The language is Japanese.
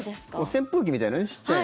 扇風機みたいなのねちっちゃいの。